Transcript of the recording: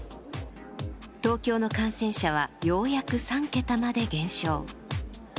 東京の感染者はようやく３桁まで減少。